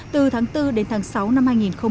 từ tháng bốn đến tháng sáu năm hai nghìn hai mươi